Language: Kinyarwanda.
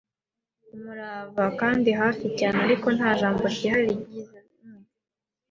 umurava, kandi hafi cyane; ariko nta jambo ryihariye ryigeze numva.